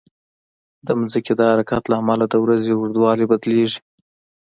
د ځمکې د حرکت له امله د ورځې اوږدوالی بدلېږي.